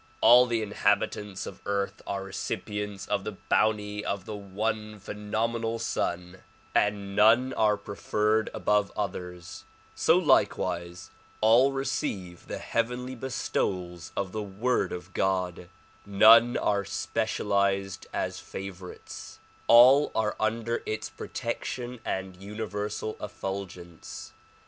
All the inhabitants of earth are recipients of the bounty of the one phenomenal sun and none are preferred 7H THP: rRO.MULUATION OF UNIVERSAL PEACE above others; so likewise all receive the heavenly bestowals of the Word of God; none are specialized as favorites; all are under its protection and universal ett'ulgence.